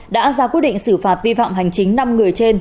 đã ra quyết định xử phạt vi phạm hành chính năm người trên